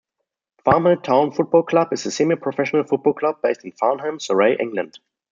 Farnham Town Football Club is a semi-professional football club based in Farnham, Surrey, England.